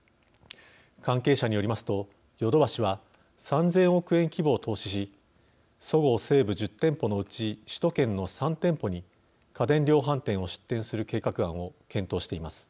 関係者によりますとヨドバシは３，０００億円規模を投資しそごう・西武１０店舗のうち首都圏の３店舗に家電量販店を出店する計画案を検討しています。